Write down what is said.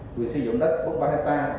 vừa sử dụng đất bốn mươi ba hectare